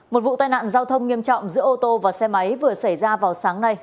một vụ tai nạn giao thông nghiêm trọng giữa ô tô và xe máy vừa xảy ra vào sáng nay